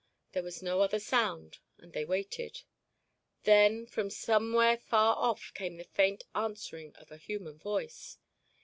There was no other sound, and they waited. Then, from somewhere far off came the faint answering of a human voice.